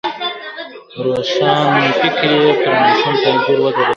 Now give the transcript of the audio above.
روښانفکري یې پر ناسم تعبیر ودروله.